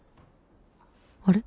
あれ？